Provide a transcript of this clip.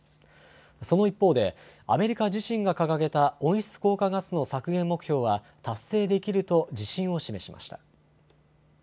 その一方でアメリカ自身が掲げた温室効果ガスの削減目標は達成できると自信を示しました。